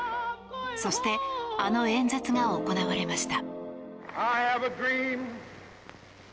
そしてあの演説が行われました。